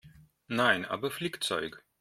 Nein, aber Flickzeug.